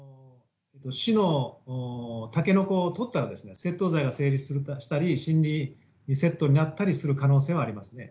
市のタケノコを取ったら窃盗罪が成立したり森林窃盗になったりすることはありますね。